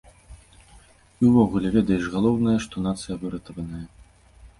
І ўвогуле, ведаеш, галоўнае, што нацыя выратаваная.